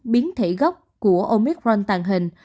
biến thể gốc của omicron tàng hình